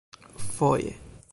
"Foje."